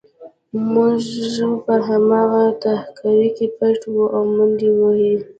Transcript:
موږ په هماغه تهکوي کې پټ وو او منډې وې